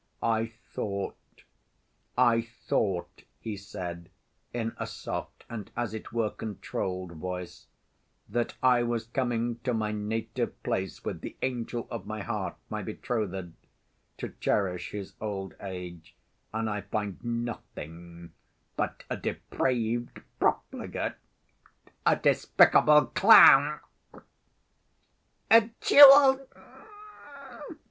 "I thought ... I thought," he said, in a soft and, as it were, controlled voice, "that I was coming to my native place with the angel of my heart, my betrothed, to cherish his old age, and I find nothing but a depraved profligate, a despicable clown!" "A duel!"